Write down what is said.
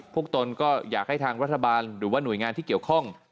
ตนก็อยากให้ทางรัฐบาลหรือว่าหน่วยงานที่เกี่ยวข้อง